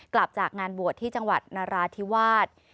กลับจากงานบวชที่จังหวัดนราธิวาส